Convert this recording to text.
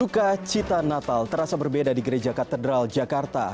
duka cita natal terasa berbeda di gereja katedral jakarta